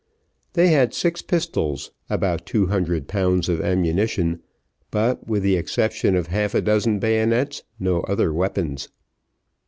They had six pistols, about two hundred pounds of ammunition, but with the exception of half a dozen bayonets, no other weapons.